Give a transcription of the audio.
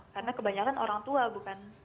karena kebanyakan orang tua bukan